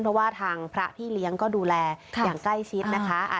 เพราะว่าทางพระพี่เลี้ยงก็ดูแลอย่างใกล้ชิดนะคะ